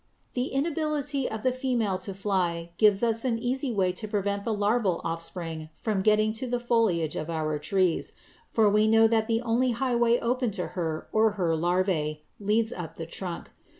_ The inability of the female to fly gives us an easy way to prevent the larval offspring from getting to the foliage of our trees, for we know that the only highway open to her or her larvæ leads up the trunk.